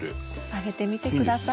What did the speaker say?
あげてみてください。